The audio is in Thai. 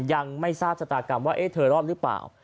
ยังไม่ทราบชะตากรรมว่าเธอรอดหรือเปล่า